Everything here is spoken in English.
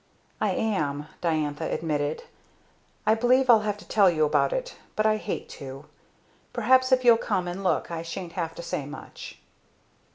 "I am," Diantha admitted. "I believe I'll have to tell you about it but I hate to. Perhaps if you'll come and look I shan't have to say much."